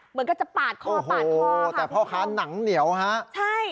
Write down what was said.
เหมือนก็จะปาดคอปาดคอแต่พ่อค้าหนังเหนียวฮะใช่